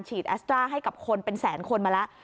แอสตราให้กับคนเป็นแสนคนมาแล้ว